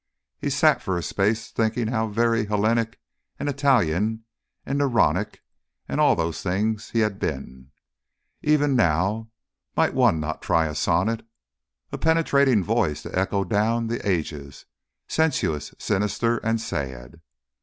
He sat for a space thinking how very Hellenic and Italian and Neronic, and all those things, he had been. Even now might one not try a sonnet? A penetrating voice to echo down the ages, sensuous, sinister, and sad.